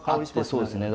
そうですね。